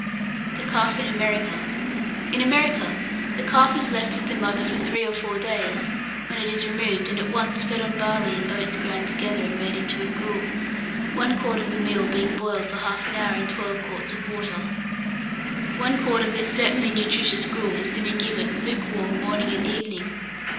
THE CALF IN AMERICA. In America, the calf is left with the mother for three or four days, when it is removed, and at once fed on barley and oats ground together and made into a gruel, 1 quart of the meal being boiled for half an hour in 12 quarts of water. One quart of this certainly nutritious gruel, is to be given, lukewarm, morning and evening.